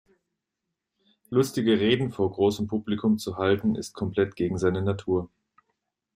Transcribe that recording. Lustige Reden vor großem Publikum zu halten, ist komplett gegen seine Natur.